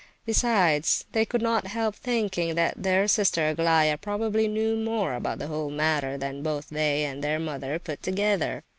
Besides, they could not help thinking that their sister Aglaya probably knew more about the whole matter than both they and their mother put together.